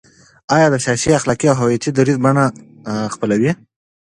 او د سیاسي، اخلاقي او هویتي دریځ بڼه خپلوي،